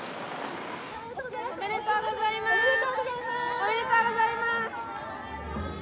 おめでとうございます。